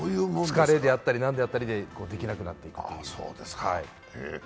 疲れであったり、何であったりでできなくなってくる。